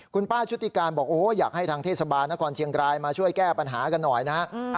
คุณป้าชุติการบอกโอ้อยากให้ทางเทศบาลนครเชียงรายมาช่วยแก้ปัญหากันหน่อยนะฮะ